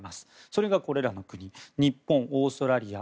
それがこれらの国日本、オーストラリア